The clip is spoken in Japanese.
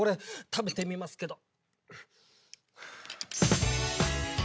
食べてみますけど。